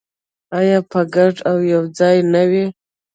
آیا په ګډه او یوځای نه وي؟